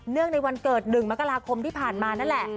ในวันเกิด๑มกราคมที่ผ่านมานั่นแหละ